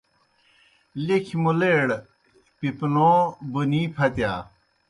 لیکھیْ مُلئیڑ پِپنَو بونی پھتِیا۔